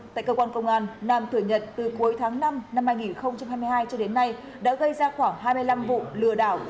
tại cơ quan công an nam thừa nhận từ cuối tháng năm năm hai nghìn hai mươi hai cho đến nay đã gây ra khoảng hai mươi năm vụ lừa đảo